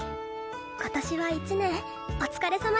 今年は一年お疲れさまでした。